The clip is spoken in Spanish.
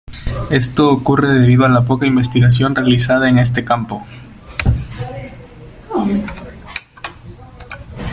Esto ocurre debido a la poca investigación realizada en este campo.